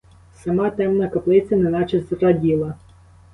Сама темна каплиця неначе зраділа.